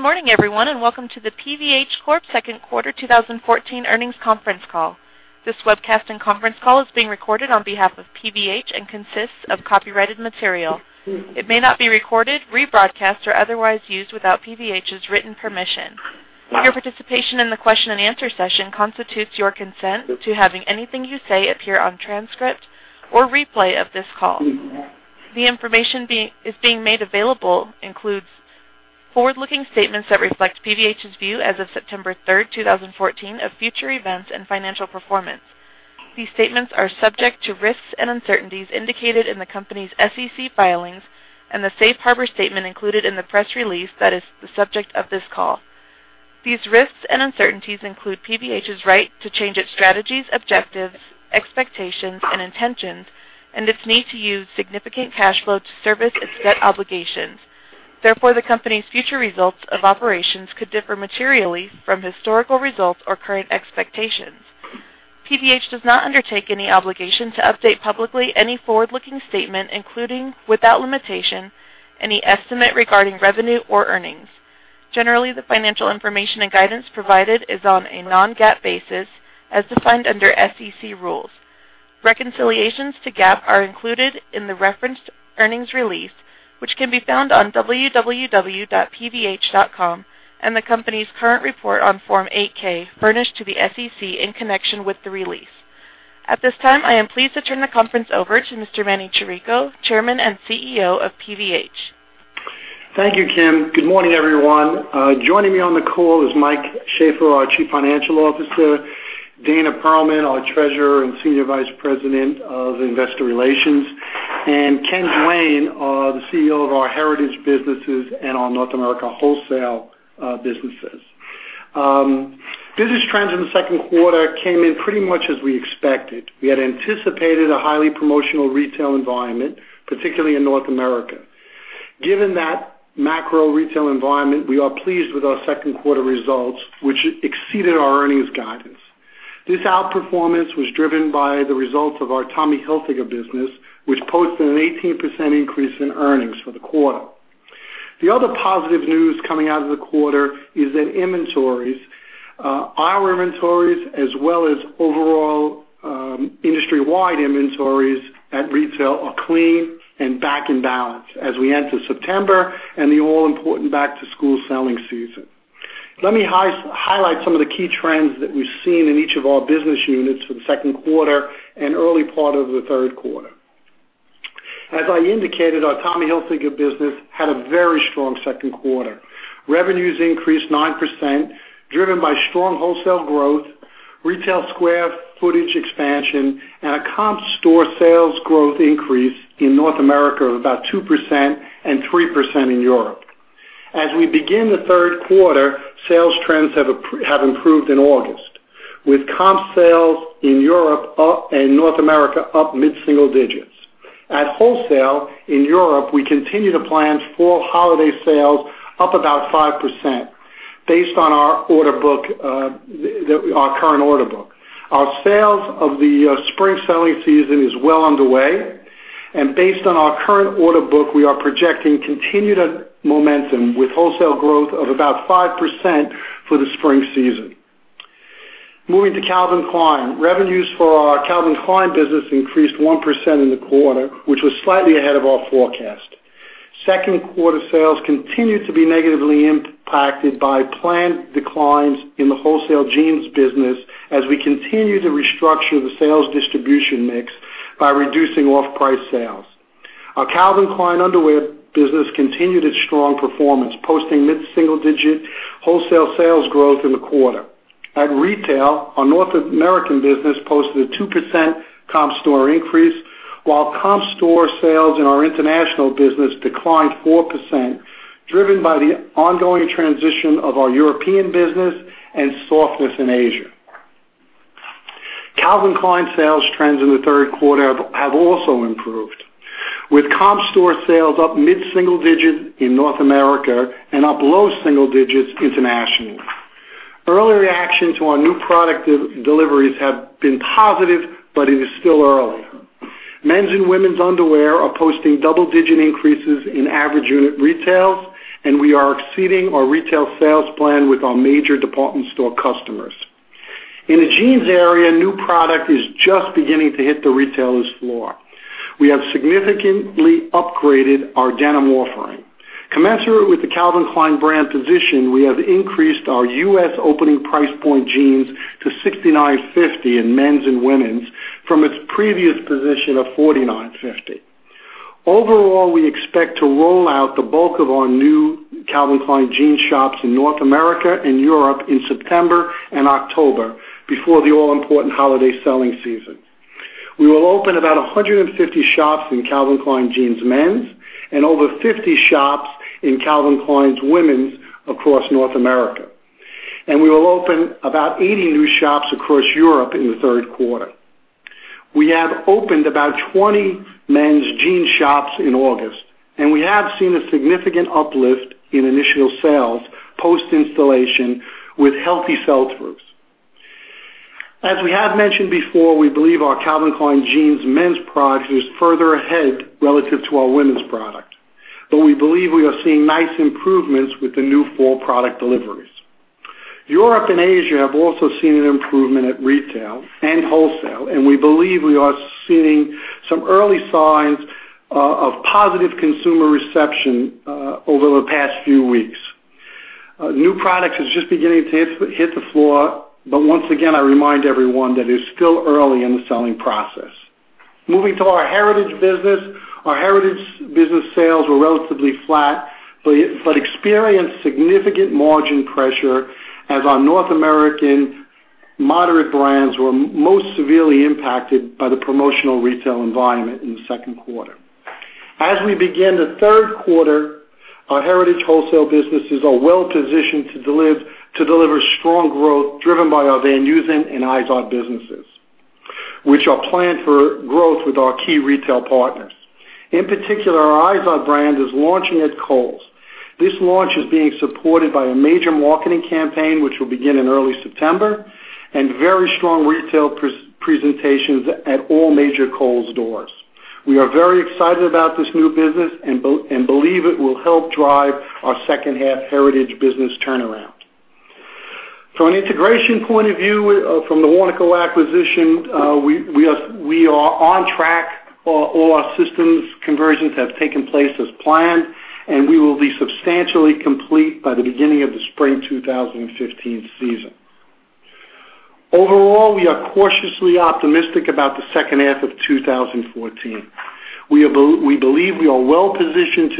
Good morning, everyone, and welcome to the PVH Corp Second Quarter 2014 earnings conference call. This webcast and conference call is being recorded on behalf of PVH and consists of copyrighted material. It may not be recorded, rebroadcast, or otherwise used without PVH's written permission. Your participation in the question and answer session constitutes your consent to having anything you say appear on transcript or replay of this call. The information is being made available includes forward-looking statements that reflect PVH's view as of September 3rd, 2014, of future events and financial performance. These statements are subject to risks and uncertainties indicated in the company's SEC filings and the safe harbor statement included in the press release that is the subject of this call. These risks and uncertainties include PVH's right to change its strategies, objectives, expectations, and intentions, and its need to use significant cash flow to service its debt obligations. The company's future results of operations could differ materially from historical results or current expectations. PVH does not undertake any obligation to update publicly any forward-looking statement, including, without limitation, any estimate regarding revenue or earnings. Generally, the financial information and guidance provided is on a non-GAAP basis as defined under SEC rules. Reconciliations to GAAP are included in the referenced earnings release, which can be found on www.pvh.com and the company's current report on Form 8-K, furnished to the SEC in connection with the release. At this time, I am pleased to turn the conference over to Mr. Emanuel Chirico, Chairman and CEO of PVH. Thank you, Kim. Good morning, everyone. Joining me on the call is Michael Shaffer, our Chief Financial Officer, Dana Perlman, our Treasurer and Senior Vice President of Investor Relations, and Ken Duane, the CEO of our heritage businesses and our North America wholesale businesses. Business trends in the second quarter came in pretty much as we expected. We had anticipated a highly promotional retail environment, particularly in North America. Given that macro retail environment, we are pleased with our second quarter results, which exceeded our earnings guidance. This outperformance was driven by the results of our Tommy Hilfiger business, which posted an 18% increase in earnings for the quarter. The other positive news coming out of the quarter is that inventories, our inventories, as well as overall industry-wide inventories at retail, are clean and back in balance as we enter September and the all-important back-to-school selling season. Let me highlight some of the key trends that we've seen in each of our business units for the second quarter and early part of the third quarter. As I indicated, our Tommy Hilfiger business had a very strong second quarter. Revenues increased 9%, driven by strong wholesale growth, retail square footage expansion, and a comp store sales growth increase in North America of about 2% and 3% in Europe. As we begin the third quarter, sales trends have improved in August, with comp sales in Europe and North America up mid-single digits. At wholesale in Europe, we continue to plan fall holiday sales up about 5% based on our current order book. Our sales of the spring selling season is well underway, and based on our current order book, we are projecting continued momentum with wholesale growth of about 5% for the spring season. Moving to Calvin Klein. Revenues for our Calvin Klein business increased 1% in the quarter, which was slightly ahead of our forecast. Second quarter sales continued to be negatively impacted by planned declines in the wholesale jeans business as we continue to restructure the sales distribution mix by reducing off-price sales. Our Calvin Klein underwear business continued its strong performance, posting mid-single-digit wholesale sales growth in the quarter. At retail, our North American business posted a 2% comp store increase, while comp store sales in our international business declined 4%, driven by the ongoing transition of our European business and softness in Asia. Calvin Klein sales trends in the third quarter have also improved, with comp store sales up mid-single digit in North America and up low single digits internationally. Early reaction to our new product deliveries have been positive, it is still early. Men's and women's underwear are posting double-digit increases in average unit retails, and we are exceeding our retail sales plan with our major department store customers. In the jeans area, new product is just beginning to hit the retailer's floor. We have significantly upgraded our denim offering. Commensurate with the Calvin Klein brand position, we have increased our U.S. opening price point jeans to $69.50 in men's and women's from its previous position of $49.50. Overall, we expect to roll out the bulk of our new Calvin Klein Jeans shops in North America and Europe in September and October before the all-important holiday selling season. We will open about 150 shops in Calvin Klein Jeans men's and over 50 shops in Calvin Klein women's across North America. We will open about 80 new shops across Europe in the third quarter. We have opened about 20 men's jean shops in August, and we have seen a significant uplift in initial sales post-installation with healthy sell-throughs. As we have mentioned before, we believe our Calvin Klein Jeans men's product is further ahead relative to our women's product. We believe we are seeing nice improvements with the new fall product deliveries. Europe and Asia have also seen an improvement at retail and wholesale, and we believe we are seeing some early signs of positive consumer reception over the past few weeks. New products is just beginning to hit the floor. Once again, I remind everyone that it's still early in the selling process. Moving to our Heritage business. Our Heritage business sales were relatively flat, but experienced significant margin pressure as our North American moderate brands were most severely impacted by the promotional retail environment in the second quarter. As we begin the third quarter, our Heritage wholesale businesses are well-positioned to deliver strong growth driven by our Van Heusen and Izod businesses, which are planned for growth with our key retail partners. In particular, our Izod brand is launching at Kohl's. This launch is being supported by a major marketing campaign, which will begin in early September, and very strong retail presentations at all major Kohl's doors. We are very excited about this new business and believe it will help drive our second half Heritage business turnaround. From an integration point of view from the Warnaco acquisition, we are on track. All our systems conversions have taken place as planned, and we will be substantially complete by the beginning of the spring 2015 season. Overall, we are cautiously optimistic about the second half of 2014. We believe we are well-positioned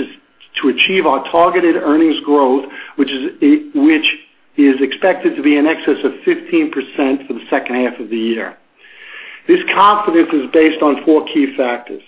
to achieve our targeted earnings growth, which is expected to be in excess of 15% for the second half of the year. This confidence is based on four key factors.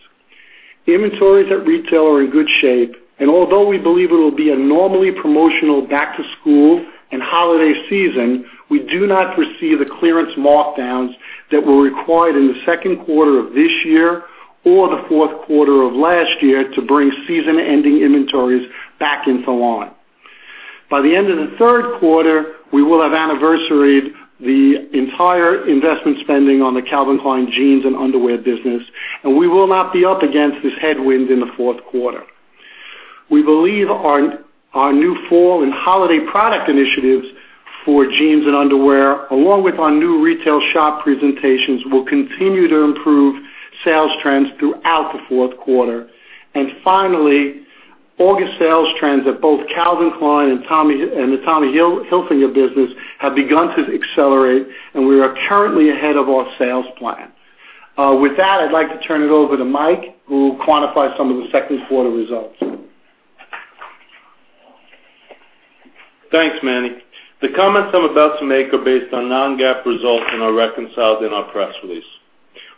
Inventories at retail are in good shape, and although we believe it will be a normally promotional back to school and holiday season, we do not foresee the clearance markdowns that were required in the second quarter of this year or the fourth quarter of last year to bring season-ending inventories back into line. By the end of the third quarter, we will have anniversaried the entire investment spending on the Calvin Klein Jeans and underwear business, and we will not be up against this headwind in the fourth quarter. Finally, August sales trends at both Calvin Klein and the Tommy Hilfiger business have begun to accelerate, and we are currently ahead of our sales plan. With that, I would like to turn it over to Mike, who will quantify some of the second quarter results. Thanks, Manny. The comments I am about to make are based on non-GAAP results and are reconciled in our press release.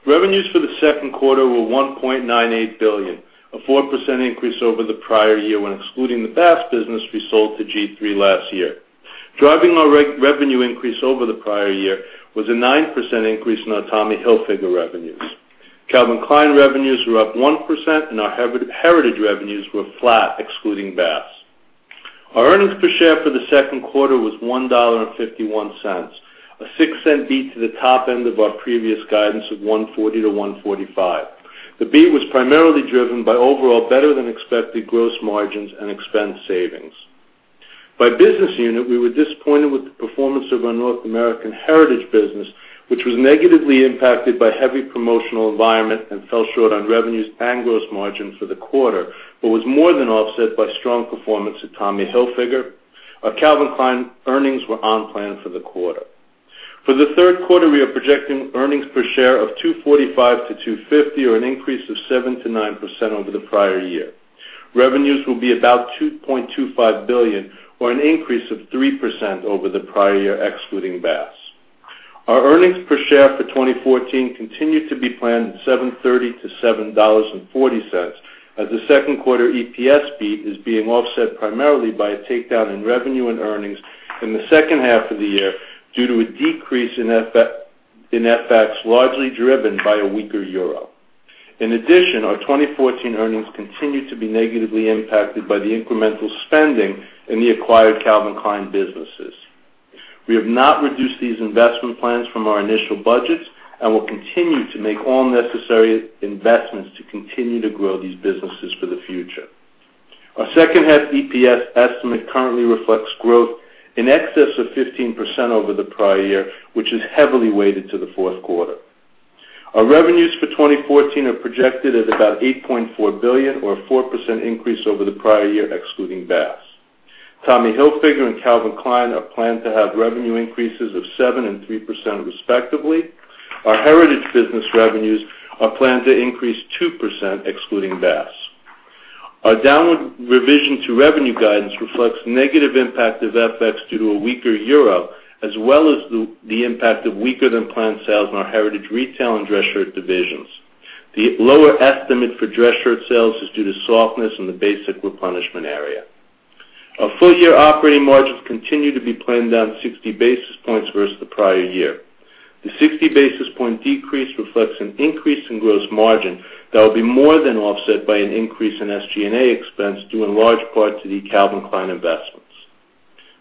Revenues for the second quarter were $1.98 billion, a 4% increase over the prior year when excluding the Bass business we sold to G-III last year. Driving our revenue increase over the prior year was a 9% increase in our Tommy Hilfiger revenues. Calvin Klein revenues were up 1%, and our Heritage revenues were flat excluding Bass. Our earnings per share for the second quarter was $1.51, a $0.06 beat to the top end of our previous guidance of $1.40-$1.45. The beat was primarily driven by overall better-than-expected gross margins and expense savings. By business unit, we were disappointed with the performance of our North American Heritage business, which was negatively impacted by heavy promotional environment and fell short on revenues and gross margin for the quarter, but was more than offset by strong performance at Tommy Hilfiger. Our Calvin Klein earnings were on plan for the quarter. For the third quarter, we are projecting earnings per share of $2.45-$2.50, or an increase of 7%-9% over the prior year. Revenues will be about $2.25 billion or an increase of 3% over the prior year, excluding Bass. Our earnings per share for 2014 continue to be planned at $7.30-$7.40, as the second quarter EPS beat is being offset primarily by a takedown in revenue and earnings in the second half of the year due to a decrease in FX, largely driven by a weaker euro. In addition, our 2014 earnings continue to be negatively impacted by the incremental spending in the acquired Calvin Klein businesses. We have not reduced these investment plans from our initial budgets and will continue to make all necessary investments to continue to grow these businesses for the future. Our second half EPS estimate currently reflects growth in excess of 15% over the prior year, which is heavily weighted to the fourth quarter. Our revenues for 2014 are projected at about $8.4 billion, or a 4% increase over the prior year, excluding Bass. Tommy Hilfiger and Calvin Klein are planned to have revenue increases of 7% and 3% respectively. Our Heritage business revenues are planned to increase 2%, excluding Bass. Our downward revision to revenue guidance reflects negative impact of FX due to a weaker euro, as well as the impact of weaker-than-planned sales in our Heritage retail and dress shirt divisions. The lower estimate for dress shirt sales is due to softness in the basic replenishment area. Our full-year operating margins continue to be planned down 60 basis points versus the prior year. The 60-basis point decrease reflects an increase in gross margin that will be more than offset by an increase in SG&A expense due in large part to the Calvin Klein investment.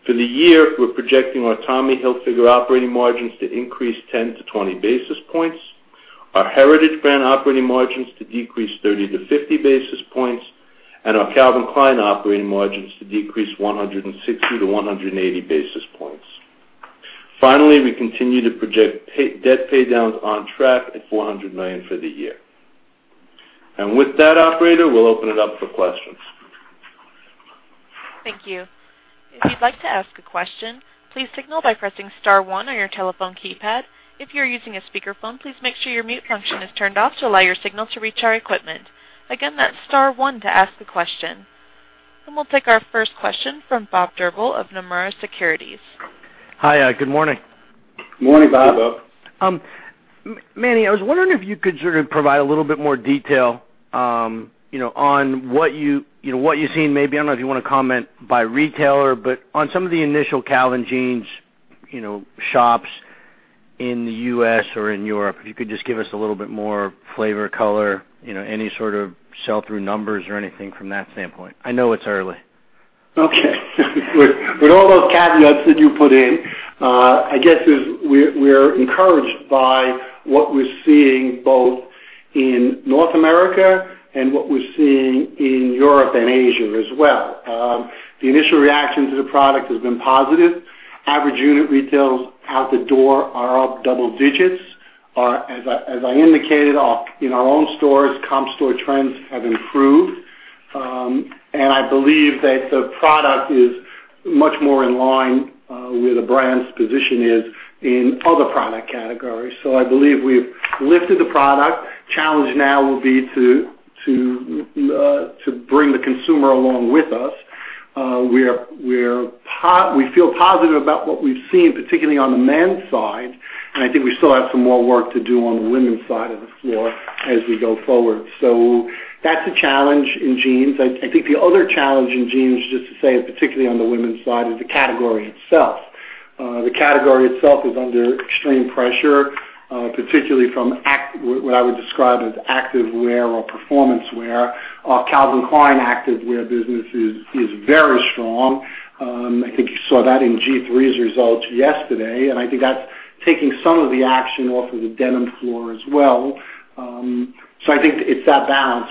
For the year, we're projecting our Tommy Hilfiger operating margins to increase 10 to 20 basis points, our Heritage Brands operating margins to decrease 30 to 50 basis points, and our Calvin Klein operating margins to decrease 160 to 180 basis points. Finally, we continue to project debt paydowns on track at $400 million for the year. With that, operator, we'll open it up for questions. Thank you. If you'd like to ask a question, please signal by pressing star one on your telephone keypad. If you're using a speakerphone, please make sure your mute function is turned off to allow your signal to reach our equipment. Again, that's star one to ask a question. We'll take our first question from Robert Drbul of Nomura Securities. Hi, good morning. Morning, Bob. Manny, I was wondering if you could sort of provide a little bit more detail on what you've seen. Maybe, I don't know if you want to comment by retailer, but on some of the initial Calvin Jeans shops in the U.S. or in Europe. If you could just give us a little bit more flavor, color. Any sort of sell-through numbers or anything from that standpoint. I know it's early. Okay. With all those caveats that you put in, I guess we're encouraged by what we're seeing both in North America and what we're seeing in Europe and Asia as well. The initial reaction to the product has been positive. Average unit retails out the door are up double digits. As I indicated, in our own stores, comp store trends have improved. I believe that the product is much more in line where the brand's position is in other product categories. I believe we've lifted the product. Challenge now will be to bring the consumer along with us. We feel positive about what we've seen, particularly on the men's side, and I think we still have some more work to do on the women's side of the floor as we go forward. That's a challenge in jeans. I think the other challenge in jeans, just to say, particularly on the women's side, is the category itself. The category itself is under extreme pressure, particularly from what I would describe as active wear or performance wear. Our Calvin Klein active wear business is very strong. I think you saw that in G-III's results yesterday, and I think that's taking some of the action off of the denim floor as well. I think it's that balance.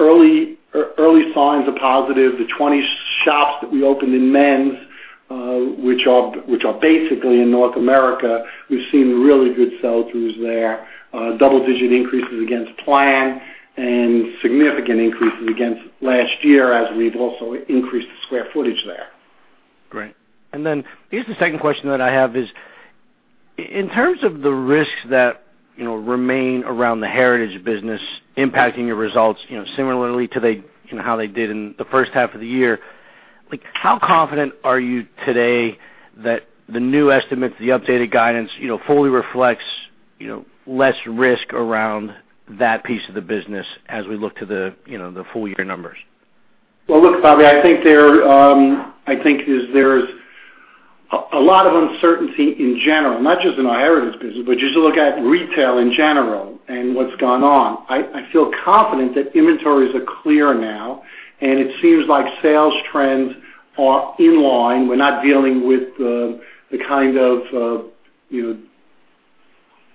Early signs are positive. The 20 shops that we opened in men's, which are basically in North America, we've seen really good sell-throughs there. Double-digit increases against plan and significant increases against last year, as we've also increased the square footage there. Great. I guess the second question that I have is, in terms of the risks that remain around the Heritage business impacting your results similarly to how they did in the first half of the year, how confident are you today that the new estimates, the updated guidance fully reflects less risk around that piece of the business as we look to the full-year numbers? Well, look, Bobby, I think there is a lot of uncertainty in general, not just in our Heritage business, but just look at retail in general and what's gone on. I feel confident that inventories are clear now, and it seems like sales trends are in line. We're not dealing with the kind of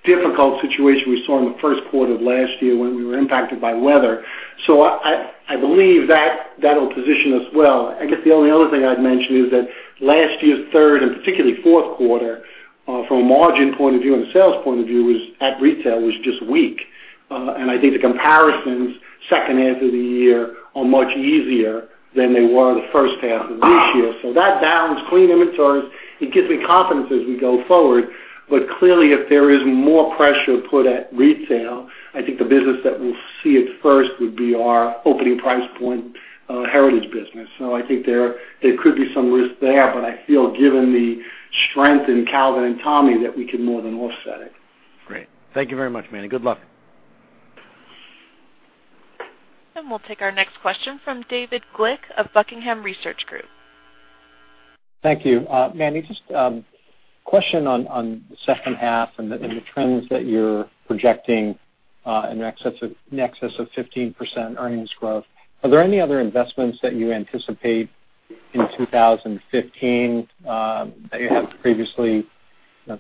difficult situation we saw in the first quarter of last year when we were impacted by weather. I believe that'll position us well. I guess the only other thing I'd mention is that last year's third and particularly fourth quarter, from a margin point of view and a sales point of view, at retail, was just weak. I think the comparisons second half of the year are much easier than they were the first half of this year. That balance, clean inventories, it gives me confidence as we go forward. Clearly, if there is more pressure put at retail, I think the business that we'll see it first would be our opening price point Heritage business. I think there could be some risk there, but I feel given the strength in Calvin and Tommy, that we can more than offset it. Great. Thank you very much, Manny. Good luck. We'll take our next question from David Glick of Buckingham Research Group. Thank you. Manny, just question on the second half and the trends that you're projecting, in excess of 15% earnings growth. Are there any other investments that you anticipate in 2015 that you haven't previously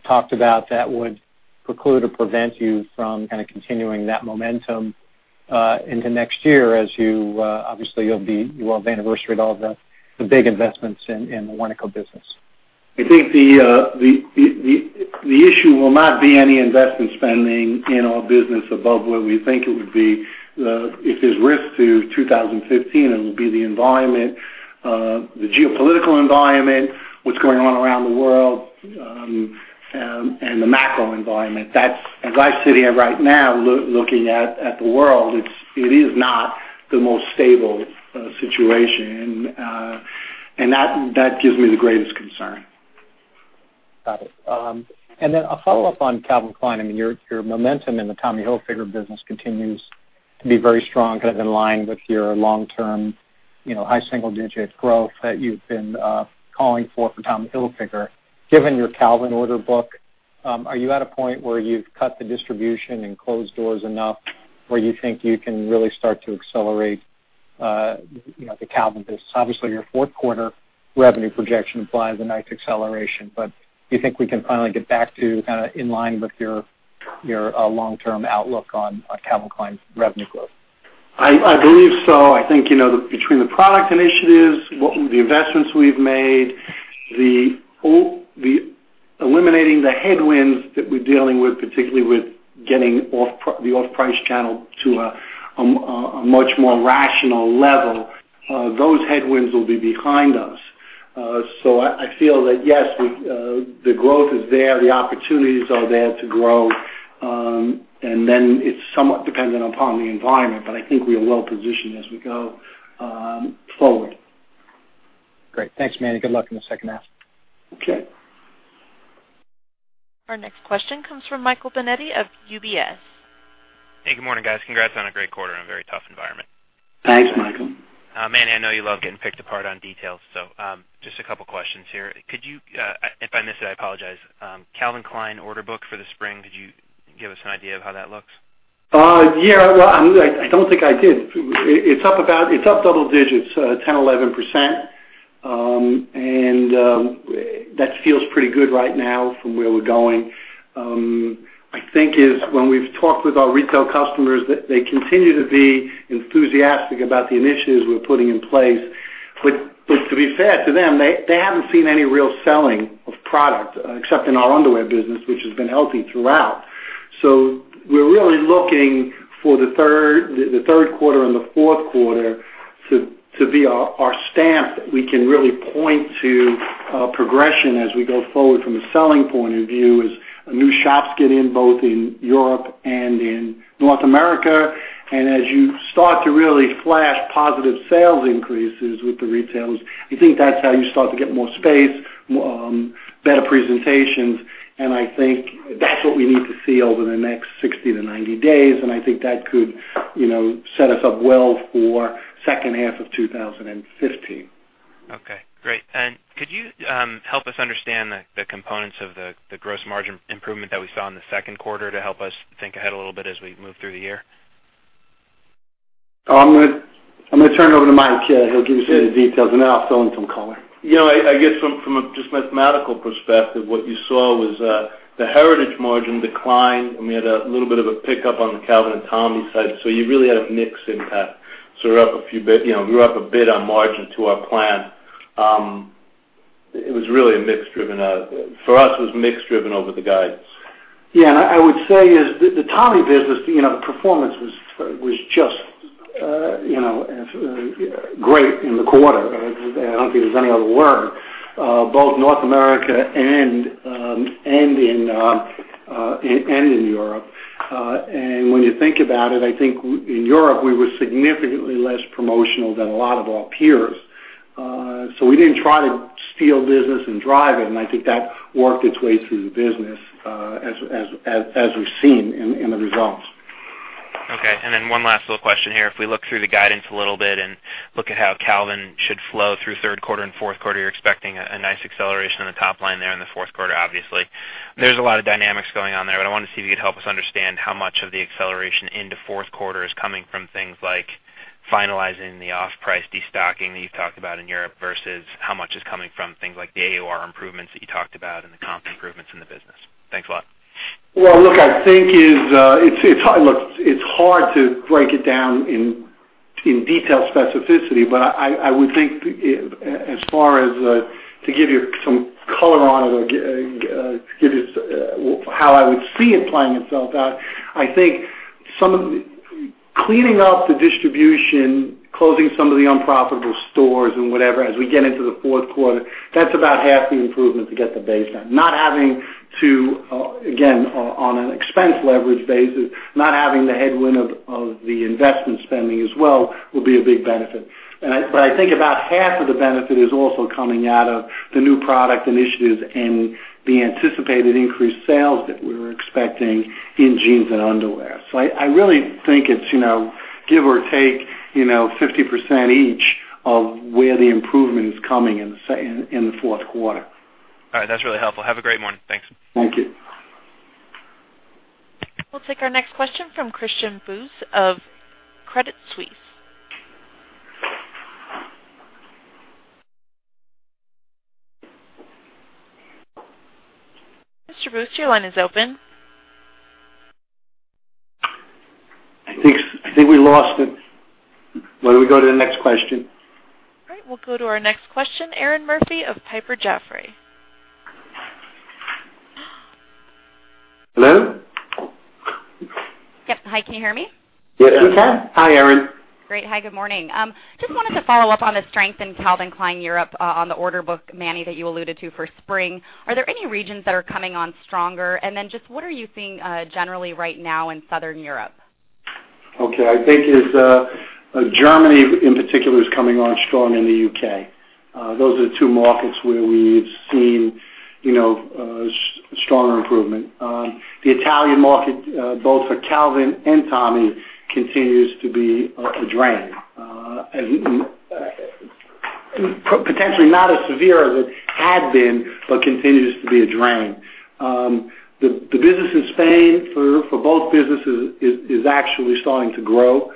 talked about that would preclude or prevent you from kind of continuing that momentum into next year. Obviously, you will have anniversary-ed all of the big investments in the Warnaco business. I think the issue will not be any investment spending in our business above where we think it would be. If there's risk to 2015, it will be the geopolitical environment, what's going on around the world, and the macro environment. As I sit here right now, looking at the world, it is not the most stable situation. That gives me the greatest concern. Got it. A follow-up on Calvin Klein. Your momentum in the Tommy Hilfiger business continues to be very strong, kind of in line with your long-term high single-digit growth that you've been calling for Tommy Hilfiger. Given your Calvin order book Are you at a point where you've cut the distribution and closed doors enough where you think you can really start to accelerate the Calvin business? Obviously, your fourth quarter revenue projection implies a nice acceleration, do you think we can finally get back to kind of in line with your long-term outlook on Calvin Klein's revenue growth? I believe so. I think between the product initiatives, the investments we've made, eliminating the headwinds that we're dealing with, particularly with getting the off-price channel to a much more rational level, those headwinds will be behind us. I feel that, yes, the growth is there, the opportunities are there to grow, it's somewhat dependent upon the environment, I think we are well positioned as we go forward. Great. Thanks, Manny. Good luck in the second half. Okay. Our next question comes from Michael Binetti of UBS. Hey, good morning, guys. Congrats on a great quarter and a very tough environment. Thanks, Michael. Manny, I know you love getting picked apart on details, so just a couple of questions here. If I missed it, I apologize. Calvin Klein order book for the spring, could you give us an idea of how that looks? Yeah. Well, I don't think I did. It's up double digits, 10%, 11%. That feels pretty good right now from where we're going. I think when we've talked with our retail customers that they continue to be enthusiastic about the initiatives we're putting in place. To be fair to them, they haven't seen any real selling of product except in our underwear business, which has been healthy throughout. We're really looking for the third quarter and the fourth quarter to be our stamp that we can really point to progression as we go forward from a selling point of view as new shops get in, both in Europe and in North America. As you start to really flash positive sales increases with the retailers, I think that's how you start to get more space, better presentations. I think that's what we need to see over the next 60 to 90 days. I think that could set us up well for the second half of 2015. Okay, great. Could you help us understand the components of the gross margin improvement that we saw in the second quarter to help us think ahead a little bit as we move through the year? I'm gonna turn it over to Mike here. He'll give you the details. Then I'll fill in some color. I guess from just a mathematical perspective, what you saw was the heritage margin decline, and we had a little bit of a pickup on the Calvin and Tommy side, you really had a mixed impact. We're up a bit on margin to our plan. It was really mix-driven. For us, it was mix-driven over the guidance. I would say is the Tommy business, the performance was just great in the quarter. I don't think there's any other word. Both North America and in Europe. When you think about it, I think in Europe, we were significantly less promotional than a lot of our peers. We didn't try to steal business and drive it, and I think that worked its way through the business as we've seen in the results. One last little question here. If we look through the guidance a little bit and look at how Calvin should flow through third quarter and fourth quarter, you're expecting a nice acceleration on the top line there in the fourth quarter, obviously. There's a lot of dynamics going on there, but I wanted to see if you could help us understand how much of the acceleration into fourth quarter is coming from things like finalizing the off-price destocking that you've talked about in Europe versus how much is coming from things like the AUR improvements that you talked about and the comp improvements in the business. Thanks a lot. Look, it's hard to break it down in detail specificity, but I would think as far as to give you some color on it or how I would see it playing itself out, I think cleaning up the distribution, closing some of the unprofitable stores and whatever as we get into the fourth quarter, that's about half the improvement to get the base in. Again, on an expense leverage basis, not having the headwind of the investment spending as well will be a big benefit. I think about half of the benefit is also coming out of the new product initiatives and the anticipated increased sales that we're expecting in jeans and underwear. I really think it's give or take 50% each of where the improvement is coming in the fourth quarter. All right. That's really helpful. Have a great morning. Thanks. Thank you. We'll take our next question from Christian Buss of Credit Suisse. Mr. Buss, your line is open. I think we lost him. Why don't we go to the next question? All right. We'll go to our next question, Erinn Murphy of Piper Jaffray. Hello? Yep. Hi, can you hear me? Yes, we can. Hi, Erinn. Great. Hi, good morning. Just wanted to follow up on the strength in Calvin Klein Europe on the order book, Manny, that you alluded to for spring. Are there any regions that are coming on stronger? Just what are you seeing generally right now in Southern Europe? Okay. I think Germany in particular is coming on strong and the U.K. Those are the two markets where we've seen stronger improvement. The Italian market both for Calvin and Tommy continues to be a drain. Potentially not as severe as it had been, but continues to be a drain. The business in Spain for both businesses is actually starting to grow,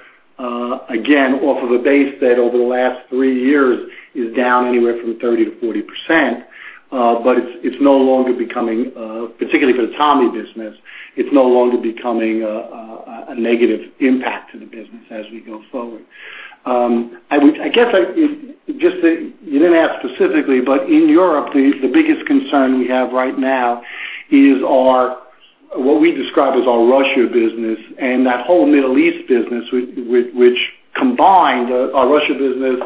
again, off of a base that over the last three years is down anywhere from 30%-40%. It's no longer becoming, particularly for the Tommy business, it's no longer becoming a negative impact to the business as we go forward. I guess, you didn't ask specifically, but in Europe, the biggest concern we have right now is what we describe as our Russia business and that whole Middle East business. Which combined, our Russia business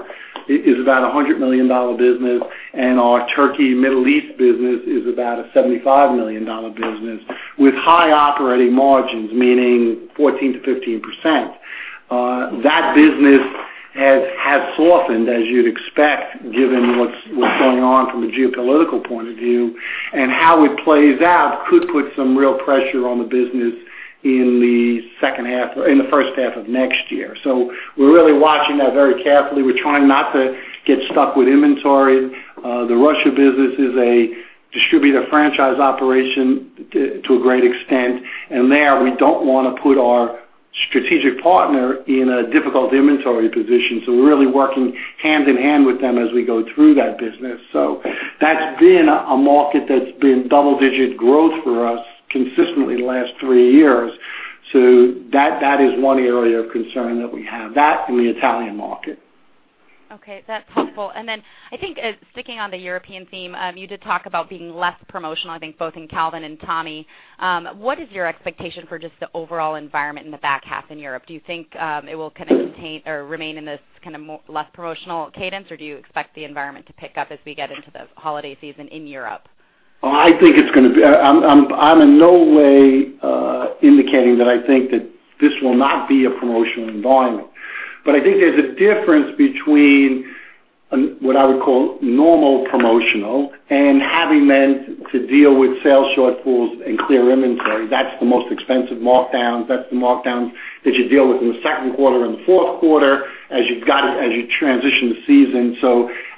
is about $100 million business, and our Turkey, Middle East business is about a $75 million business with high operating margins, meaning 14%-15%. That business has softened, as you'd expect, given what's going on from a geopolitical point of view, and how it plays out could put some real pressure on the business in the first half of next year. We're really watching that very carefully. We're trying not to get stuck with inventory. The Russia business is a distributor franchise operation to a great extent, and there, we don't want to put our strategic partner in a difficult inventory position. We're really working hand in hand with them as we go through that business. That's been a market that's been double digit growth for us consistently the last three years. That is one area of concern that we have. That and the Italian market. Okay, that's helpful. I think sticking on the European theme, you did talk about being less promotional, I think both in Calvin and Tommy. What is your expectation for just the overall environment in the back half in Europe? Do you think it will kind of remain in this less promotional cadence, or do you expect the environment to pick up as we get into the holiday season in Europe? I'm in no way indicating that I think that this will not be a promotional environment. I think there's a difference between what I would call normal promotional and having meant to deal with sales shortfalls and clear inventory. That's the most expensive markdown. That's the markdown that you deal with in the second quarter and the fourth quarter as you transition the season.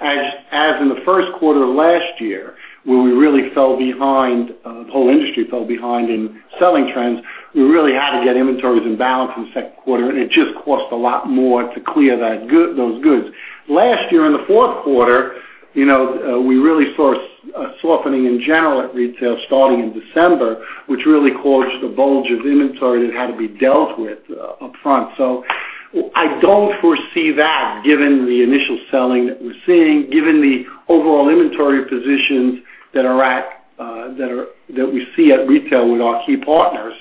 As in the first quarter of last year, where we really fell behind, the whole industry fell behind in selling trends, we really had to get inventories in balance in the second quarter, and it just cost a lot more to clear those goods. Last year in the fourth quarter, we really saw a softening in general at retail starting in December, which really caused a bulge of inventory that had to be dealt with upfront. I don't foresee that given the initial selling that we're seeing, given the overall inventory positions that we see at retail with our key partners.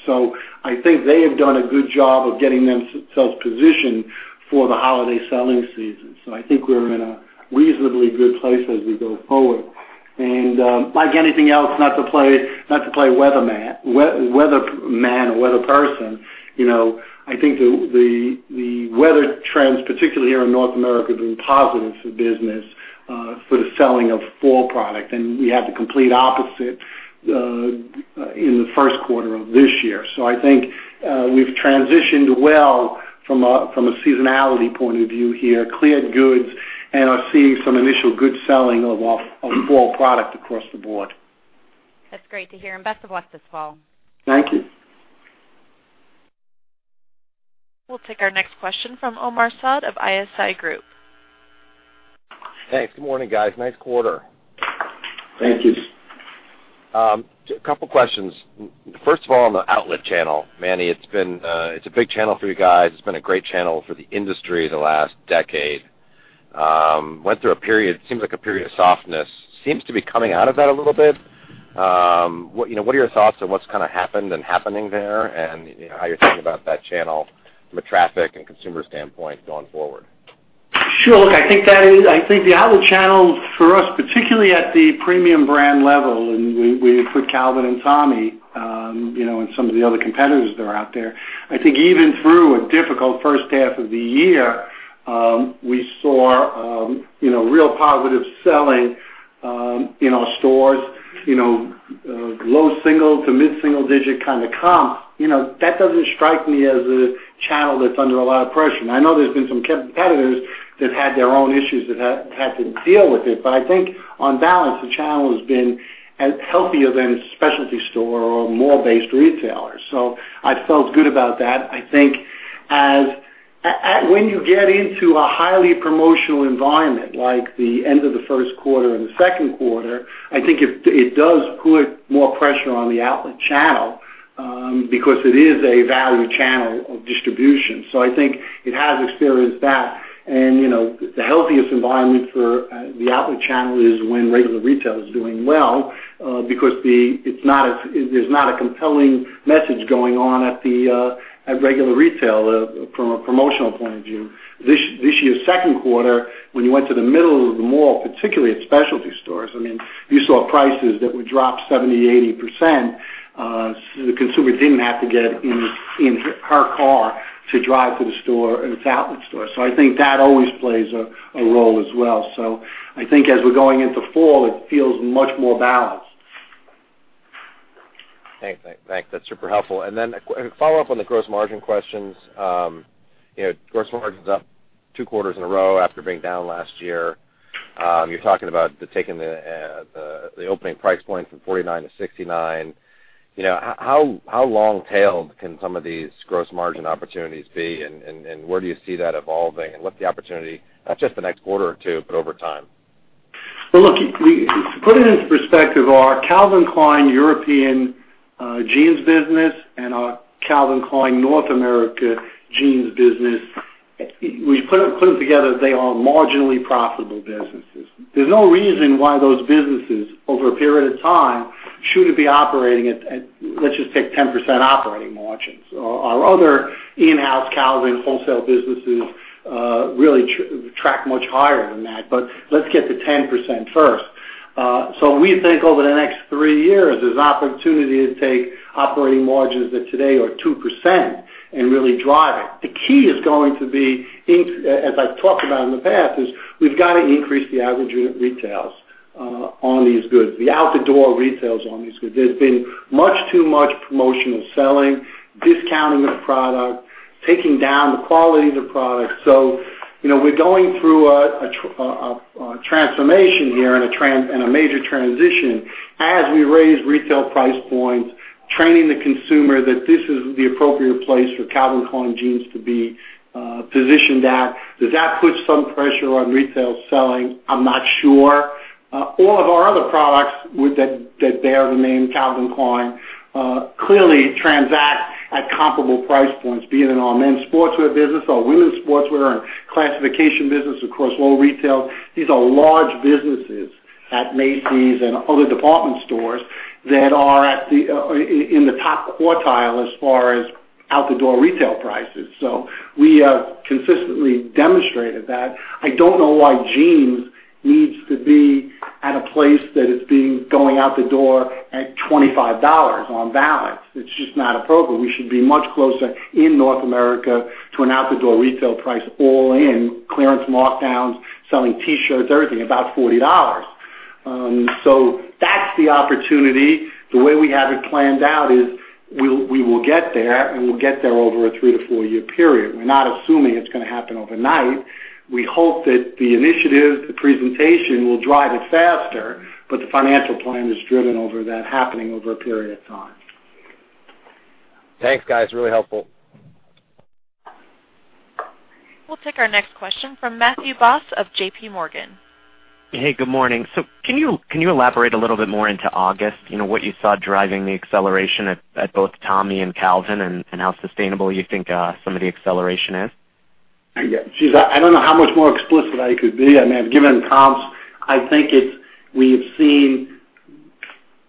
I think they have done a good job of getting themselves positioned for the holiday selling season. I think we're in a reasonably good place as we go forward. Like anything else, not to play weatherman or weather person, I think the weather trends, particularly here in North America, have been positive for business for the selling of fall product. We had the complete opposite in the first quarter of this year. I think we've transitioned well from a seasonality point of view here, cleared goods, and are seeing some initial good selling of fall product across the board. That's great to hear. Best of luck this fall. Thank you. We'll take our next question from Omar Saad of ISI Group. Thanks. Good morning, guys. Nice quarter. Thank you. A couple questions. First of all, on the outlet channel. Manny, it's a big channel for you guys. It's been a great channel for the industry the last decade. Went through a period, seems like a period of softness. Seems to be coming out of that a little bit. What are your thoughts on what's happened and happening there and how you're thinking about that channel from a traffic and consumer standpoint going forward? Sure. Look, I think the outlet channel for us, particularly at the premium brand level, and we include Calvin and Tommy, and some of the other competitors that are out there. I think even through a difficult first half of the year, we saw real positive selling in our stores. Low single- to mid-single-digit kind of comp. That doesn't strike me as a channel that's under a lot of pressure. I know there's been some competitors that had their own issues that had to deal with it. I think on balance, the channel has been healthier than specialty store or mall-based retailers. I felt good about that. I think when you get into a highly promotional environment like the end of the first quarter and the second quarter, I think it does put more pressure on the outlet channel because it is a value channel of distribution. I think it has experienced that. The healthiest environment for the outlet channel is when regular retail is doing well because there's not a compelling message going on at regular retail from a promotional point of view. This year's second quarter, when you went to the middle of the mall, particularly at specialty stores, you saw prices that would drop 70%, 80%, the consumer didn't have to get in her car to drive to the store, an outlet store. I think that always plays a role as well. I think as we're going into fall, it feels much more balanced. Thanks. That's super helpful. A follow-up on the gross margin questions. Gross margin's up two quarters in a row after being down last year. You're talking about taking the opening price point from $49 to $69. How long-tailed can some of these gross margin opportunities be, and where do you see that evolving? What's the opportunity, not just the next quarter or two, but over time? Well, look, to put it into perspective, our Calvin Klein European jeans business and our Calvin Klein North America jeans business, we put them together, they are marginally profitable businesses. There's no reason why those businesses, over a period of time, shouldn't be operating at, let's just take 10% operating margins. Our other in-house Calvin wholesale businesses really track much higher than that, but let's get to 10% first. We think over the next three years, there's opportunity to take operating margins that today are 2% and really drive it. The key is going to be, as I've talked about in the past, is we've got to increase the average unit retails on these goods, the out-the-door retails on these goods. There's been much too much promotional selling, discounting the product, taking down the quality of the product. We're going through a transformation here and a major transition as we raise retail price points, training the consumer that this is the appropriate place for Calvin Klein Jeans to be positioned at. Does that put some pressure on retail selling? I'm not sure. All of our other products that bear the name Calvin Klein clearly transact at comparable price points, be it in our men's sportswear business, our women's sportswear, and classification business across low retail. These are large businesses at Macy's and other department stores that are in the top quartile as far as out the door retail prices. We have consistently demonstrated that. I don't know why jeans needs to be at a place that is going out the door at $25 on balance. It's just not appropriate. We should be much closer, in North America, to an out the door retail price all in clearance markdowns, selling T-shirts, everything, about $40. That's the opportunity. The way we have it planned out is we will get there, and we'll get there over a 3 to 4-year period. We're not assuming it's going to happen overnight. We hope that the initiative, the presentation, will drive it faster, but the financial plan is driven over that happening over a period of time. Thanks, guys. Really helpful. We'll take our next question from Matthew Boss of JPMorgan. Hey, good morning. Can you elaborate a little bit more into August, what you saw driving the acceleration at both Tommy and Calvin, and how sustainable you think some of the acceleration is? Yeah. Geez, I don't know how much more explicit I could be. I mean, given comps, I think we have seen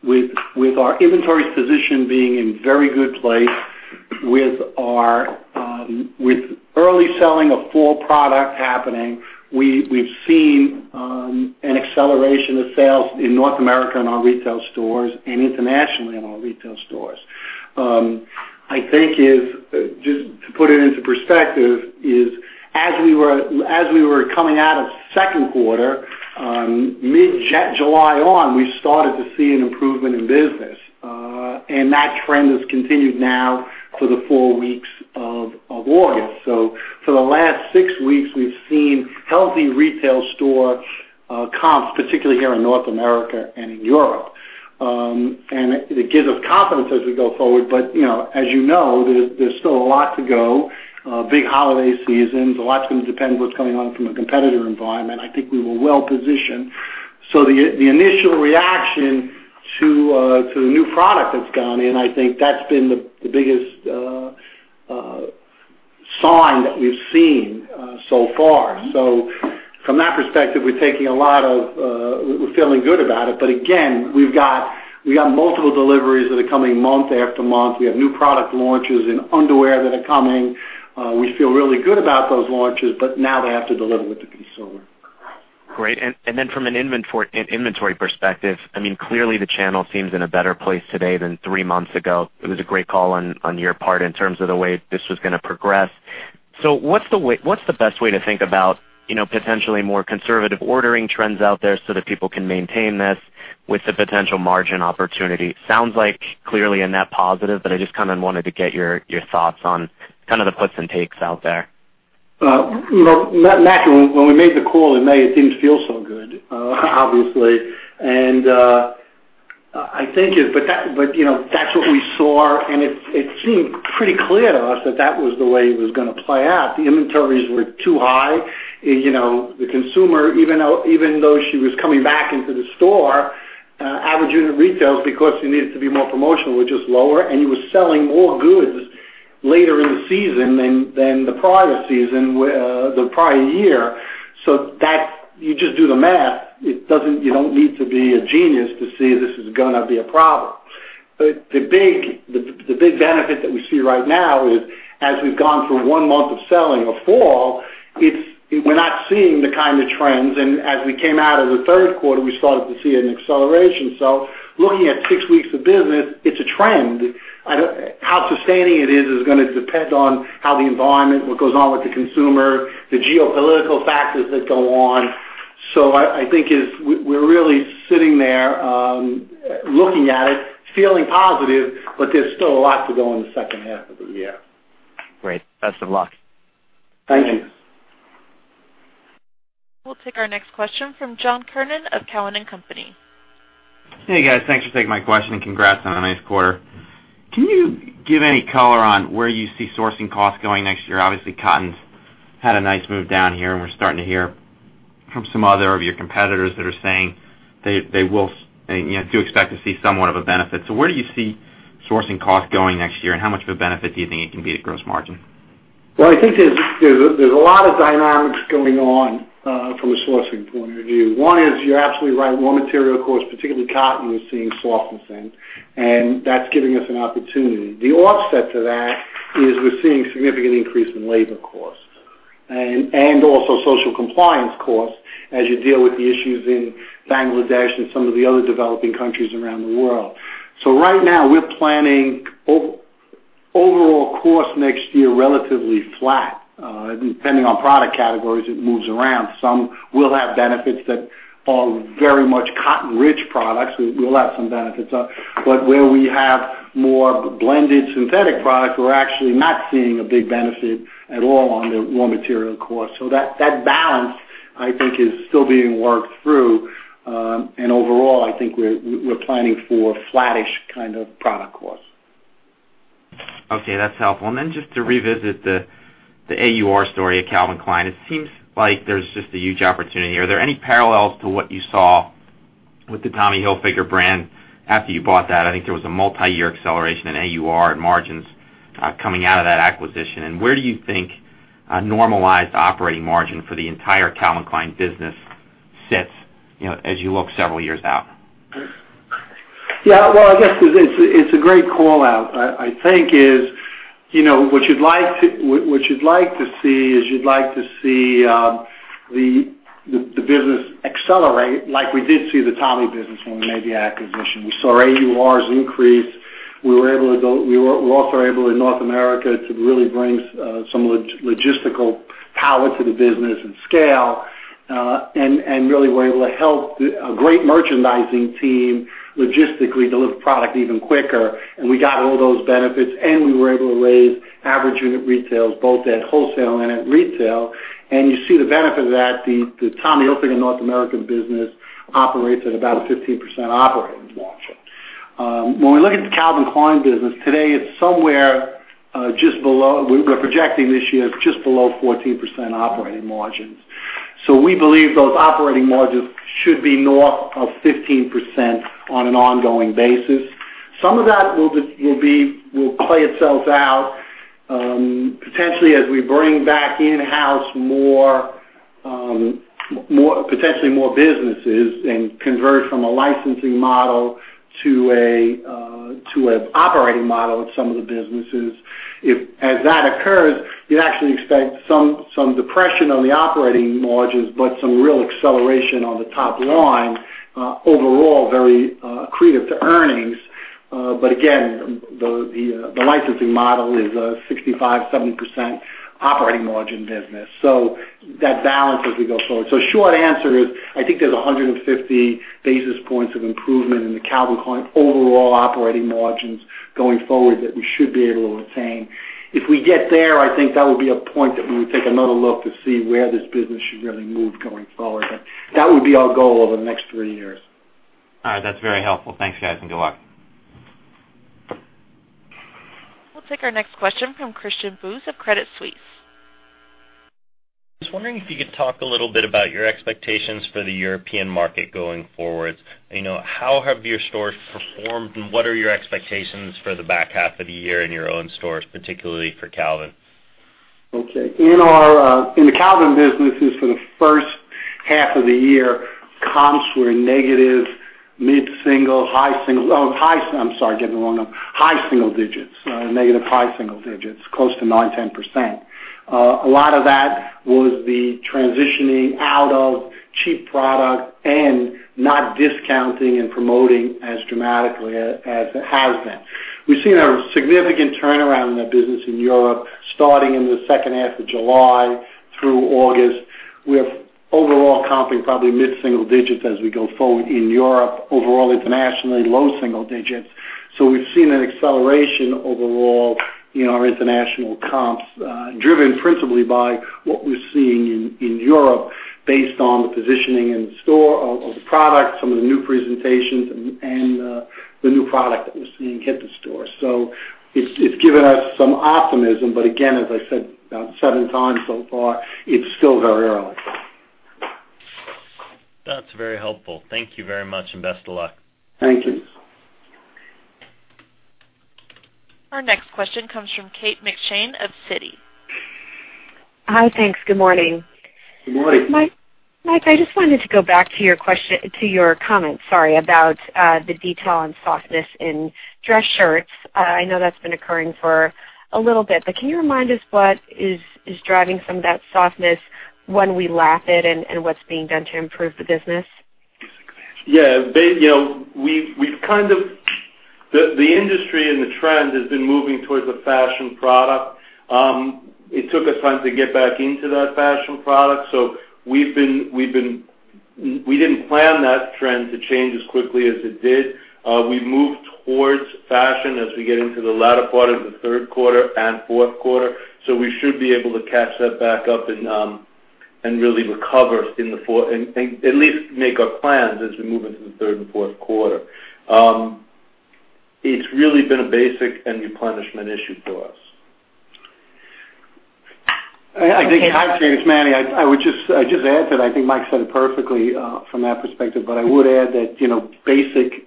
with our inventory position being in very good place, with early selling of fall product happening. We've seen an acceleration of sales in North America in our retail stores and internationally in our retail stores. I think, just to put it into perspective, is as we were coming out of second quarter, mid-July on, we started to see an improvement in business. That trend has continued now for the four weeks of August. For the last six weeks, we've seen healthy retail store comps, particularly here in North America and in Europe. It gives us confidence as we go forward. As you know, there's still a lot to go. Big holiday seasons. A lot's going to depend on what's going on from a competitor environment. I think we were well positioned. The initial reaction to the new product that's gone in, I think that's been the biggest sign that we've seen so far. From that perspective, we're feeling good about it. Again, we got multiple deliveries that are coming month after month. We have new product launches in underwear that are coming. We feel really good about those launches, now they have to deliver with the consumer. Great. From an inventory perspective, clearly, the channel seems in a better place today than three months ago. It was a great call on your part in terms of the way this was going to progress. What's the best way to think about potentially more conservative ordering trends out there so that people can maintain this with the potential margin opportunity? Sounds like clearly a net positive, I just wanted to get your thoughts on the puts and takes out there. Matt, when we made the call in May, it didn't feel so good, obviously. That's what we saw, and it seemed pretty clear to us that was the way it was going to play out. The inventories were too high. The consumer, even though she was coming back into the store, average unit retails, because you needed to be more promotional, were just lower, and you were selling more goods later in the season than the prior year. You just do the math. You don't need to be a genius to see this is going to be a problem. The big benefit that we see right now is as we've gone through one month of selling of fall, we're not seeing the kind of trends. As we came out of the third quarter, we started to see an acceleration. Looking at six weeks of business, it's a trend. How sustaining it is going to depend on how the environment, what goes on with the consumer, the geopolitical factors that go on. I think we're really sitting there, looking at it, feeling positive, but there's still a lot to go in the second half of the year. Great. Best of luck. Thank you. We'll take our next question from John Kernan of Cowen and Company. Hey, guys. Thanks for taking my question, and congrats on a nice quarter. Can you give any color on where you see sourcing costs going next year? Obviously, cotton's had a nice move down here, and we're starting to hear from some other of your competitors that are saying they do expect to see somewhat of a benefit. Where do you see sourcing costs going next year, and how much of a benefit do you think it can be to gross margin? I think there's a lot of dynamics going on, from a sourcing point of view. One is, you're absolutely right. Raw material costs, particularly cotton, we're seeing softness in, and that's giving us an opportunity. The offset to that is we're seeing significant increase in labor costs and also social compliance costs as you deal with the issues in Bangladesh and some of the other developing countries around the world. Right now, we're planning overall cost next year relatively flat. Depending on product categories, it moves around. Some will have benefits that are very much cotton-rich products. We will have some benefits. Where we have more blended synthetic products, we're actually not seeing a big benefit at all on the raw material cost. That balance, I think, is still being worked through. Overall, I think we're planning for a flattish kind of product cost. Okay, that's helpful. Then just to revisit the AUR story at Calvin Klein. It seems like there's just a huge opportunity. Are there any parallels to what you saw with the Tommy Hilfiger brand after you bought that? I think there was a multi-year acceleration in AUR and margins coming out of that acquisition. Where do you think a normalized operating margin for the entire Calvin Klein business sits as you look several years out? Yeah. Well, I guess it's a great call-out. I think what you'd like to see is you'd like to see the business accelerate like we did see the Tommy business when we made the acquisition. We saw AURs increase. We were also able, in North America, to really bring some logistical power to the business and scale, and really were able to help a great merchandising team logistically deliver product even quicker. We got all those benefits, and we were able to raise average unit retails both at wholesale and at retail. You see the benefit of that. The Tommy Hilfiger North American business operates at about a 15% operating margin. When we look at the Calvin Klein business today, we're projecting this year just below 14% operating margins. We believe those operating margins should be north of 15% on an ongoing basis. Some of that will play itself out, potentially as we bring back in-house potentially more businesses and convert from a licensing model to an operating model of some of the businesses. As that occurs, you'd actually expect some depression on the operating margins but some real acceleration on the top line. Overall, very accretive to earnings. Again, the licensing model is a 65%-70% operating margin business. That balances as we go forward. Short answer is, I think there's 150 basis points of improvement in the Calvin Klein overall operating margins going forward that we should be able to attain. If we get there, I think that would be a point that we would take another look to see where this business should really move going forward. That would be our goal over the next three years. All right. That's very helpful. Thanks, guys, and good luck. We'll take our next question from Christian Buss of Credit Suisse. Just wondering if you could talk a little bit about your expectations for the European market going forward. How have your stores performed, and what are your expectations for the back half of the year in your own stores, particularly for Calvin? Okay. In the Calvin business, for the first half of the year, comps were negative high single digits, close to nine, 10%. A lot of that was the transitioning out of cheap product and not discounting and promoting as dramatically as it has been. We've seen a significant turnaround in that business in Europe starting in the second half of July through August, with overall comping probably mid-single digits as we go forward in Europe. Overall, internationally, low single digits. We've seen an acceleration overall in our international comps, driven principally by what we're seeing in Europe based on the positioning in the store of the product, some of the new presentations, and the new product that we're seeing hit the store. It's given us some optimism, but again, as I said about seven times so far, it's still very early. That's very helpful. Thank you very much, and best of luck. Thank you. Our next question comes from Kate McShane of Citi. Hi, thanks. Good morning. Good morning. Mike, I just wanted to go back to your comment about the detail on softness in dress shirts. I know that's been occurring for a little bit, but can you remind us what is driving some of that softness when we lap it, and what's being done to improve the business? Yeah. The industry and the trend has been moving towards a fashion product. It took us time to get back into that fashion product. We didn't plan that trend to change as quickly as it did. We moved towards fashion as we get into the latter part of the third quarter and fourth quarter. We should be able to catch that back up and really recover, and at least make our plans as we move into the third and fourth quarter. It's really been a basic and replenishment issue for us. Hi, this is Manny. I would just add that I think Mike said it perfectly from that perspective. I would add that basic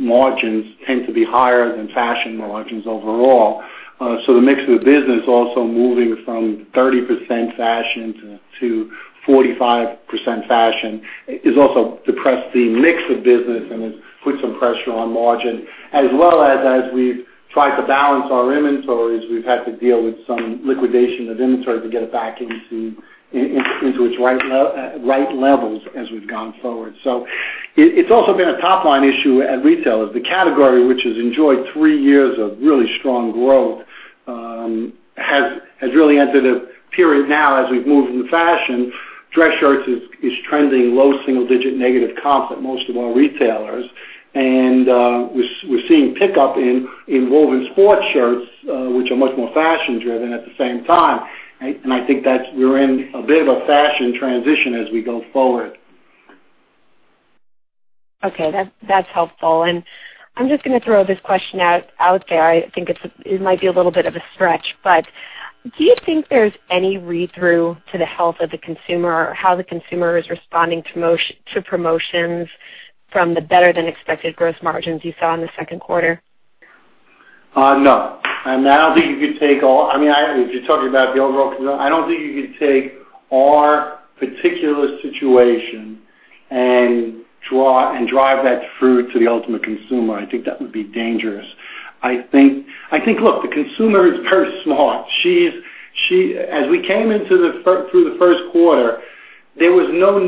margins tend to be higher than fashion margins overall. The mix of the business also moving from 30% fashion to 45% fashion, has also depressed the mix of business and has put some pressure on margin. As well as as we've tried to balance our inventories, we've had to deal with some liquidation of inventory to get it back into its right levels as we've gone forward. It's also been a top-line issue at retailers. The category, which has enjoyed three years of really strong growth, has really entered a period now as we've moved into fashion. Dress shirts is trending low single-digit negative comp at most of our retailers. We're seeing pickup in woven sports shirts, which are much more fashion driven at the same time. I think that we're in a bit of a fashion transition as we go forward. Okay. That's helpful. I'm just gonna throw this question out there. I think it might be a little bit of a stretch, do you think there's any read-through to the health of the consumer or how the consumer is responding to promotions from the better than expected gross margins you saw in the second quarter? No. If you're talking about the overall consumer, I don't think you could take our particular situation and drive that through to the ultimate consumer. I think that would be dangerous. I think, look, the consumer is very smart. As we came through the first quarter, I don't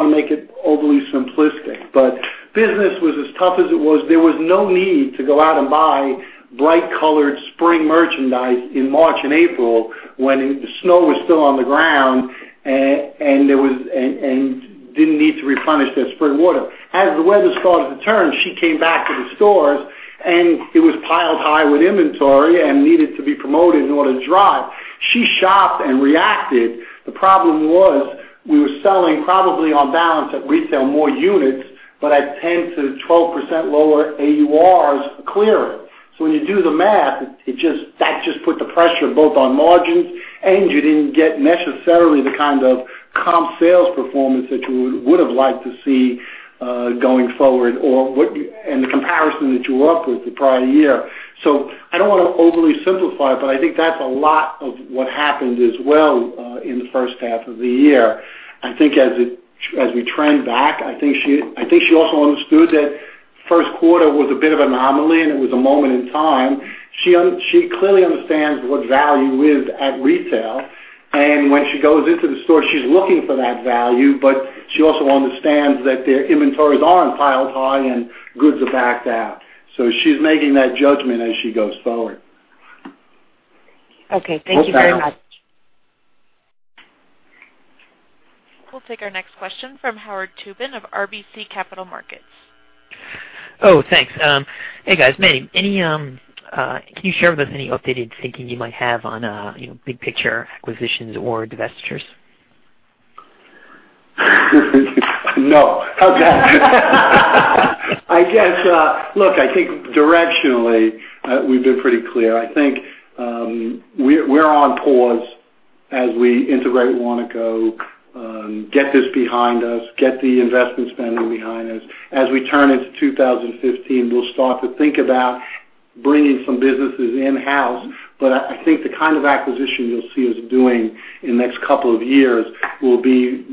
want to make it overly simplistic, but business was as tough as it was. There was no need to go out and buy bright colored spring merchandise in March and April when the snow was still on the ground, and didn't need to replenish that spring water. As the weather started to turn, she came back to the stores, and it was piled high with inventory and needed to be promoted in order to drive. She shopped and reacted. The problem was, we were selling probably on balance at retail more units, but at 10%-12% lower AURs clearing. When you do the math, that just put the pressure both on margins, and you didn't get necessarily the kind of comp sales performance that you would've liked to see, going forward, and the comparison that you were up with the prior year. I don't want to overly simplify it, but I think that's a lot of what happened as well, in the first half of the year. I think as we trend back, I think she also understood that first quarter was a bit of anomaly, and it was a moment in time. She clearly understands what value is at retail, and when she goes into the store, she's looking for that value, but she also understands that the inventories are piled high and goods are backed out. She's making that judgment as she goes forward. Okay. Thank you very much. We'll balance. We'll take our next question from Howard Tubin of RBC Capital Markets. Thanks. Hey, guys. Manny, can you share with us any updated thinking you might have on big picture acquisitions or divestitures? No. Okay. Look, I think directionally, we've been pretty clear. I think, we're on pause as we integrate Warnaco, get this behind us, get the investment spending behind us. As we turn into 2015, we'll start to think about bringing some businesses in-house, but I think the kind of acquisition you'll see us doing in the next couple of years will be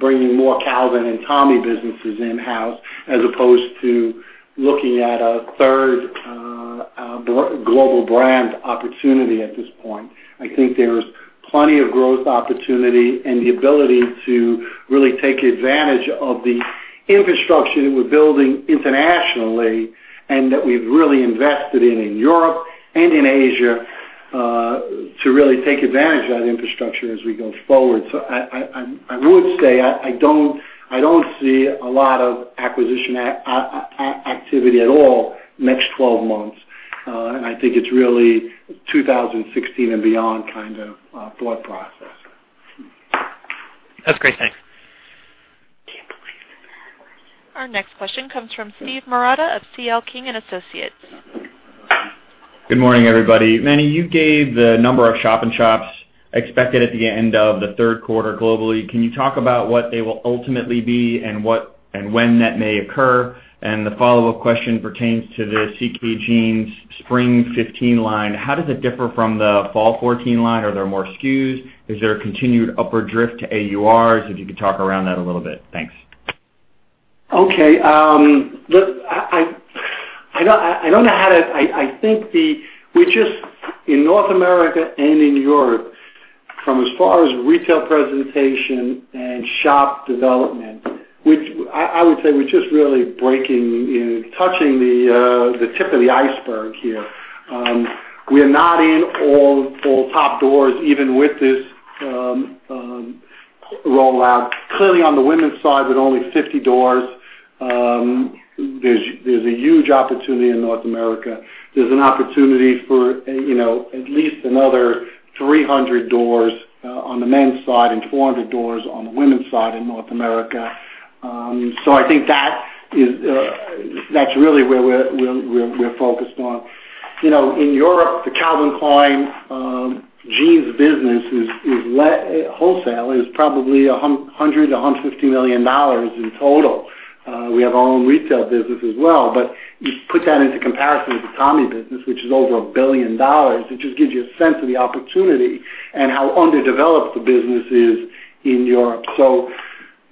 bringing more Calvin and Tommy businesses in-house, as opposed to looking at a third global brand opportunity at this point. I think there's plenty of growth opportunity and the ability to really take advantage of the infrastructure that we're building internationally and that we've really invested in in Europe and in Asia, to really take advantage of that infrastructure as we go forward. I would say, I don't see a lot of acquisition activity at all next 12 months. I think it's really 2016 and beyond kind of thought process. That's great. Thanks. Our next question comes from Steven Marotta of C.L. King & Associates. Good morning, everybody. Manny, you gave the number of shop in shops expected at the end of the third quarter globally. Can you talk about what they will ultimately be and when that may occur? The follow-up question pertains to the CK Jeans spring 2015 line. How does it differ from the fall 2014 line? Are there more SKUs? Is there a continued upward drift to AURs? If you could talk around that a little bit. Thanks. I think we're just in North America and in Europe, from as far as retail presentation and shop development, which I would say we're just really breaking, touching the tip of the iceberg here. We are not in all top doors even with this rollout. Clearly, on the women's side, with only 50 doors, there's a huge opportunity in North America. There's an opportunity for at least another 300 doors on the men's side and 400 doors on the women's side in North America. I think that's really where we're focused on. In Europe, the Calvin Klein Jeans business is wholesale, is probably $100 million to $150 million in total. We have our own retail business as well. You put that into comparison with the Tommy business, which is over $1 billion. It just gives you a sense of the opportunity and how underdeveloped the business is in Europe.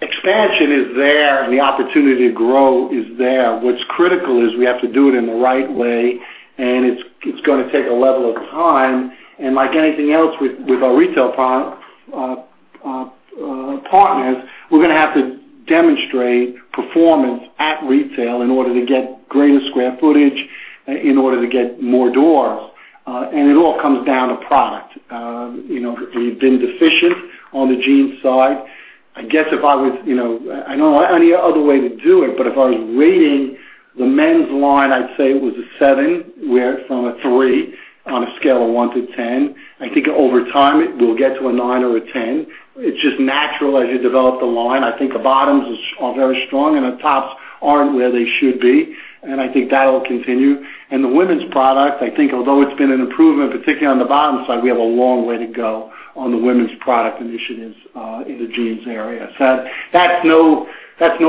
Expansion is there, and the opportunity to grow is there. What's critical is we have to do it in the right way, and it's going to take a level of time. Like anything else with our retail partners, we're going to have to demonstrate performance at retail in order to get greater square footage, in order to get more doors. It all comes down to product. We've been deficient on the jeans side. I don't know any other way to do it, but if I was rating the men's line, I'd say it was a seven. We're from a three on a scale of one to 10. I think over time, it will get to a nine or a 10. It's just natural as you develop the line. I think the bottoms are very strong, and the tops aren't where they should be, and I think that'll continue. The women's product, I think although it's been an improvement, particularly on the bottom side, we have a long way to go on the women's product initiatives in the jeans area. That's no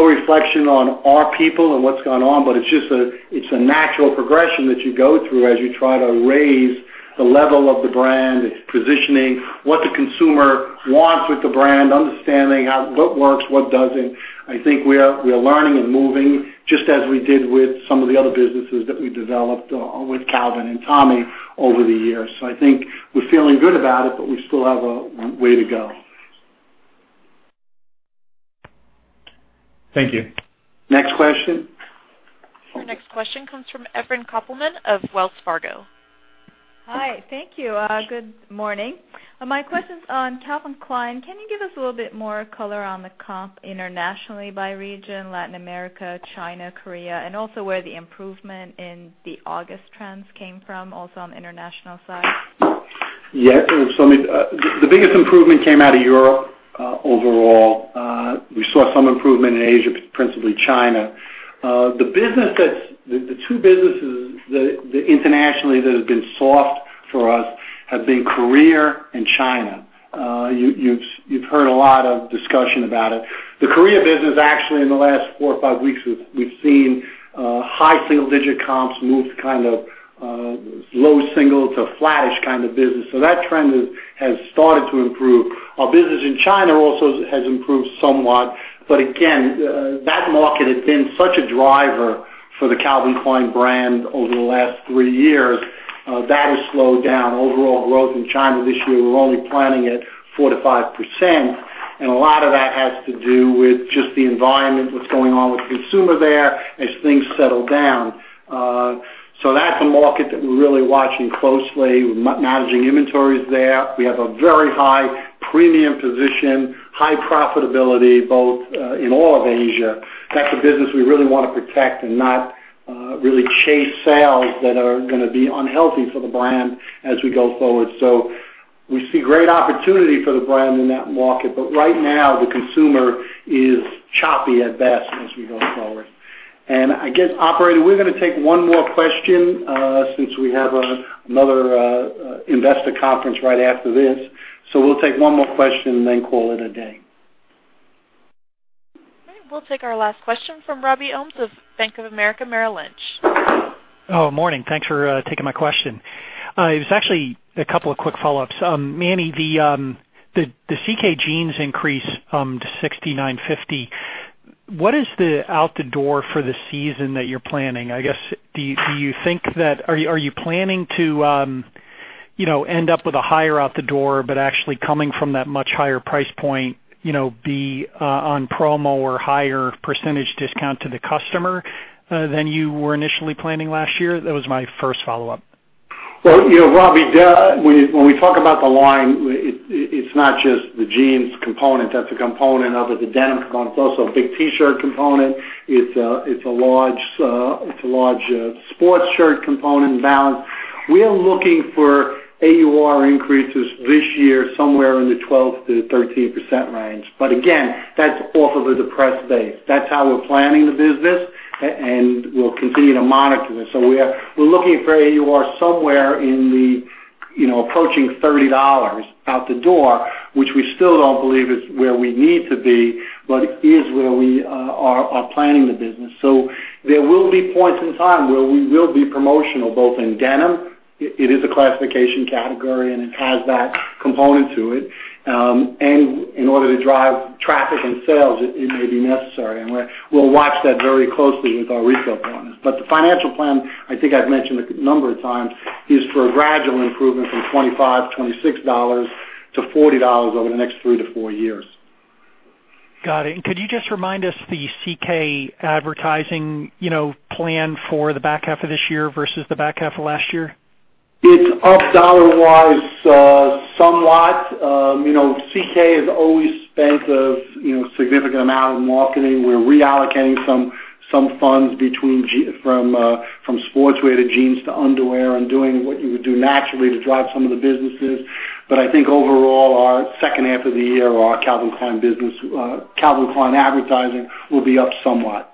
reflection on our people and what's gone on, but it's a natural progression that you go through as you try to raise the level of the brand, its positioning, what the consumer wants with the brand, understanding what works, what doesn't. I think we're learning and moving, just as we did with some of the other businesses that we developed with Calvin and Tommy over the years. I think we're feeling good about it, but we still have a way to go. Thank you. Next question. Our next question comes from Evren Kopelman of Wells Fargo. Hi. Thank you. Good morning. My question's on Calvin Klein. Can you give us a little bit more color on the comp internationally by region, Latin America, China, Korea, and also where the improvement in the August trends came from also on the international side? The biggest improvement came out of Europe overall. We saw some improvement in Asia, principally China. The two businesses internationally that have been soft for us have been Korea and China. You've heard a lot of discussion about it. The Korea business, actually in the last four or five weeks, we've seen high single-digit comps move to low single to flattish business. That trend has started to improve. Our business in China also has improved somewhat. Again, that market had been such a driver for the Calvin Klein brand over the last three years. That has slowed down. Overall growth in China this year, we're only planning at 4%-5%, and a lot of that has to do with just the environment, what's going on with consumer there as things settle down. That's a market that we're really watching closely. We're managing inventories there. We have a very high premium position, high profitability, both in all of Asia. That's a business we really want to protect and not really chase sales that are gonna be unhealthy for the brand as we go forward. We see great opportunity for the brand in that market. Right now, the consumer is choppy at best as we go forward. I guess, operator, we're gonna take one more question since we have another investor conference right after this. We'll take one more question, and then call it a day. All right. We'll take our last question from Robert Ohmes of Bank of America Merrill Lynch. Morning. Thanks for taking my question. It was actually a couple of quick follow-ups. Manny, the CK Jeans increase to $69.50, what is the out the door for the season that you're planning? I guess, are you planning to end up with a higher out the door, but actually coming from that much higher price point be on promo or higher percentage discount to the customer than you were initially planning last year? That was my first follow-up. Well, Robbie, when we talk about the line, it's not just the jeans component. That's a component of it, the denim component. It's also a big T-shirt component. It's a large sports shirt component and balance. We are looking for AUR increases this year somewhere in the 12%-13% range. Again, that's off of a depressed base. That's how we're planning the business, and we'll continue to monitor this. We're looking for AUR somewhere approaching $30 out the door, which we still don't believe is where we need to be, but is where we are planning the business. There will be points in time where we will be promotional both in denim. It is a classification category, and it has that component to it. In order to drive traffic and sales, it may be necessary. We'll watch that very closely with our retail partners. The financial plan, I think I've mentioned a number of times, is for a gradual improvement from $25, $26 to $40 over the next three to four years. Got it. Could you just remind us the CK advertising plan for the back half of this year versus the back half of last year? It's up dollar-wise somewhat. CK has always spent a significant amount on marketing. We're reallocating some funds from sportswear to jeans to underwear and doing what you would do naturally to drive some of the businesses. I think overall, our second half of the year, our Calvin Klein business, Calvin Klein advertising will be up somewhat.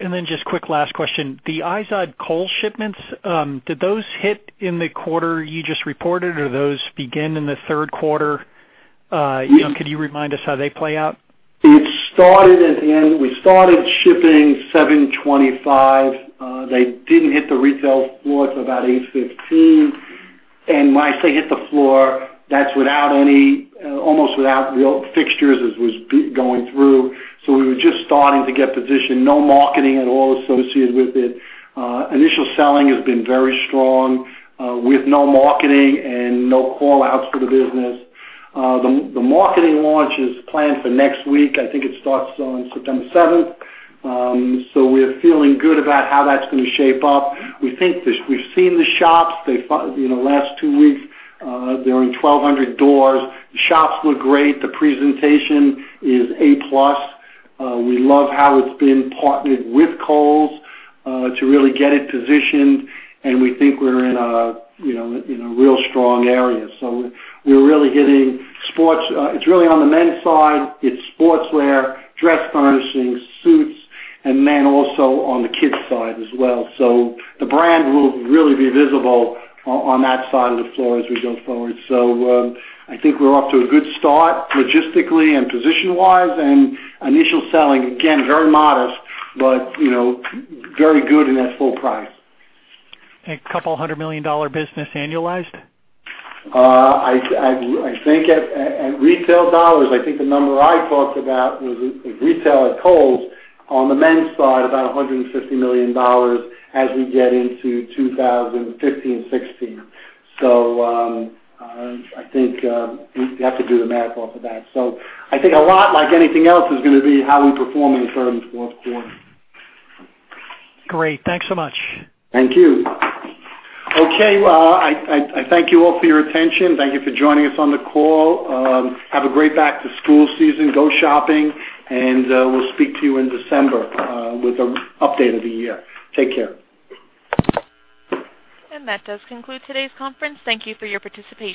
Then just quick last question. The IZOD Kohl's shipments, did those hit in the quarter you just reported, or those begin in the third quarter? Can you remind us how they play out? It started at the end. We started shipping 7/25. They didn't hit the retail floor till about 8/15. When I say hit the floor, that's almost without real fixtures as was going through. We were just starting to get positioned. No marketing at all associated with it. Initial selling has been very strong, with no marketing and no call-outs for the business. The marketing launch is planned for next week. I think it starts on September 7th. We're feeling good about how that's gonna shape up. We've seen the shops the last two weeks. They're in 1,200 doors. The shops look great. The presentation is A-plus. We love how it's been partnered with Kohl's, to really get it positioned, and we think we're in a real strong area. We're really hitting sports. It's really on the men's side. It's sportswear, dress furnishings, suits, and then also on the kids' side as well. The brand will really be visible on that side of the floor as we go forward. I think we're off to a good start logistically and position-wise, and initial selling, again, very modest, but very good and at full price. A couple hundred million dollar business annualized? I think at retail dollars, I think the number I talked about was retail at Kohl's on the men's side, about $150 million as we get into 2015 and 2016. I think, you have to do the math off of that. I think a lot like anything else is gonna be how we perform in the third and fourth quarter. Great. Thanks so much. Thank you. Okay. I thank you all for your attention. Thank you for joining us on the call. Have a great back-to-school season. Go shopping. We'll speak to you in December with an update of the year. Take care. That does conclude today's conference. Thank you for your participation.